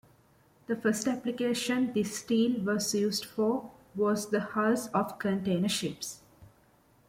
The first application this steel was used for was the hulls of container ships.